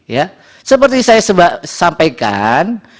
ya seperti saya sampaikan